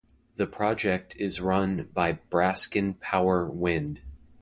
The project is run by Brascan Power Wind.